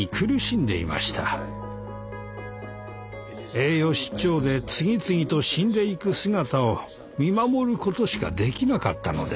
栄養失調で次々と死んでいく姿を見守ることしかできなかったのです。